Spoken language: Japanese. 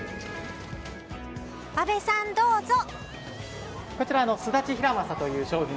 阿部さん、どうぞ。